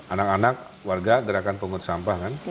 anak anak warga gerakan penghut sampah kan